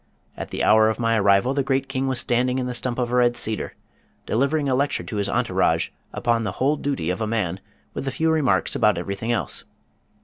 At the hour of my arrival the great king was standing on the stump of a red cedar, delivering a lecture to his entourage upon "The Whole Duty of Man, With a Few Remarks About Everything Else."